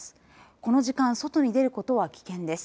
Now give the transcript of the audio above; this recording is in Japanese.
この時間外に出ることは危険です。